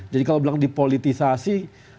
jadi kalau bilang dipolitisasi